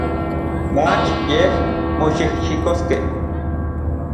Mach yej moxijxikoskej.